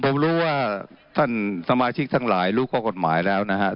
ผมรู้ว่าท่านสมาชิกทั้งหลายรู้ข้อกฎหมายแล้วนะฮะ